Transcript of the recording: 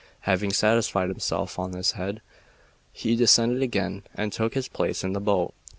Having satisfied himself on this head, he descended again and took his place in the boat.